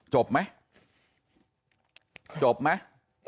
จบไหมจบไหม